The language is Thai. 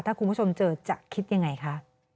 ถ้าคุณผู้ชมเจอจะคิดยังไงคะ